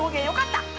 よかった。